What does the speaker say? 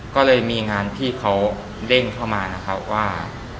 ก็เลยมีงานที่เขาเด้งเข้ามานะครับว่า